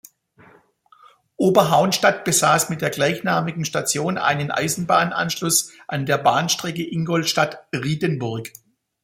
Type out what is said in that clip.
Oberhaunstadt besaß mit der gleichnamigen Station einen Eisenbahnanschluss an der Bahnstrecke Ingolstadt–Riedenburg.